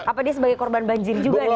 apa dia sebagai korban banjir juga ya